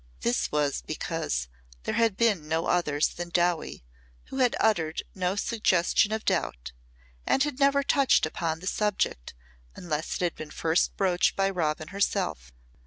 This was because there had been no others than Dowie who had uttered no suggestion of doubt and had never touched upon the subject unless it had been first broached by Robin herself.